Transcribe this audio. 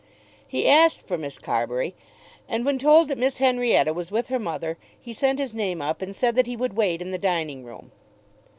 He asked for Miss Carbury, and when told that Miss Henrietta was with her mother, he sent his name up and said that he would wait in the dining room.